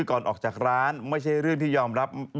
ก่อนออกจากร้านไม่ใช่เรื่องที่ยอมรับ